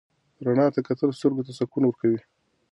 رڼا ته کتل سترګو ته سکون ورکوي.